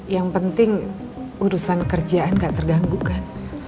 yang penting urusan kerjaan gak terganggu kan